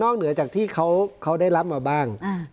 นอกเหนือจากที่เขาเขาได้รับมาบ้างอ่า